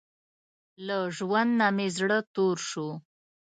له ژوند نۀ مې زړه تور شو